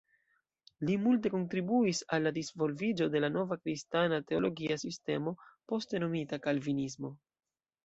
Li multe kontribuis al la disvolviĝo de nova kristana teologia sistemo poste nomita kalvinismo.